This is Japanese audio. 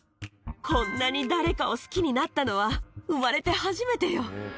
こんなに誰かを好きになったのは生まれて初めてよ。